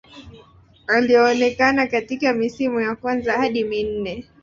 Alionekana katika misimu ya kwanza hadi minne.